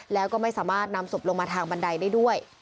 แล้วก็ไม่สามารถนำศพลงมาทางบันไดได้ด้วย